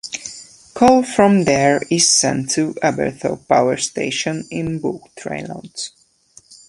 Coal from there is sent to Aberthaw Power Station in bulk trainloads.